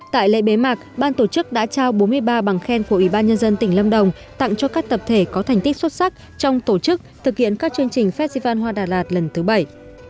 tại lễ bế mạc ban tổ chức đã trao bốn mươi ba bằng khen của ủy ban nhân dân tỉnh lâm đồng tặng cho các tập thể có thành tích xuất sắc trong tổ chức thực hiện các chương trình festival hoa đà lạt lần thứ bảy